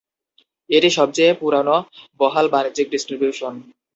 এটি সবচেয়ে পুরোনো বহাল বাণিজ্যিক ডিস্ট্রিবিউশন।